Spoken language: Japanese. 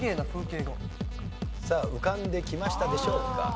さあ浮かんできましたでしょうか？